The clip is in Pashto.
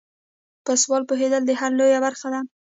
په سوال پوهیدل د حل لویه برخه ده.